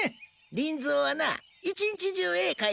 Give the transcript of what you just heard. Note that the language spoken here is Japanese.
リンゾーはなあ一日中絵描い